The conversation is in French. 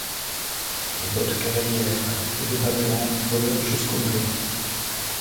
Les bottes cavalières et des bas blancs remontent jusqu'aux mollets.